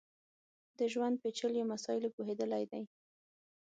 د ژوند پېچلیو مسایلو پوهېدلی دی.